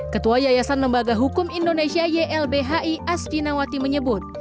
ketua yayasan lembaga hukum indonesia ylbhi asti nawati menyebut